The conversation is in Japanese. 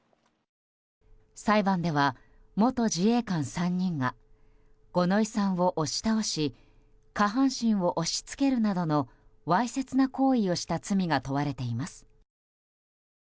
裁判では、元自衛官３人が五ノ井さんを押し倒し下半身を押し付けるなどのわいせつな行為をした罪が問われています。